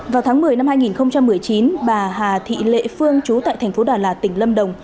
vào tháng một mươi năm hai nghìn một mươi chín bà hà thị lệ phương chú tại thành phố đà lạt tỉnh lâm đồng